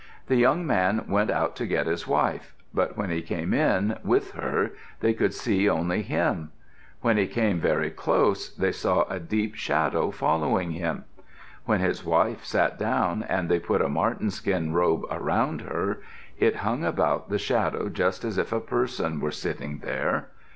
The young man went out to get his wife, but when he came in, with her, they could see only him. When he came very close, they saw a deep shadow following him. When his wife sat down and they put a marten skin robe around her, it hung about the shadow just as if a person were sitting there.